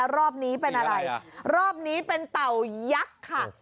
รอบนี้เป็นอะไรรอบนี้เป็นเต่ายักษ์ค่ะ